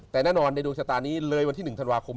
แต่แน่นอนในดวงชะตานี้เลยวันที่๑ธันวาคม